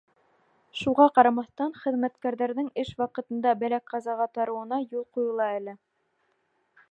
Шуға ҡарамаҫтан, хеҙмәткәрҙәрҙең эш ваҡытында бәлә-ҡазаға тарыуына юл ҡуйыла әле.